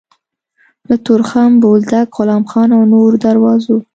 له تورخم، بولدک، غلام خان او نورو دروازو